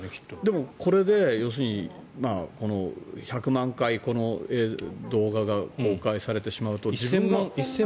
でも、これで１００万回、この動画が公開されてしまうと。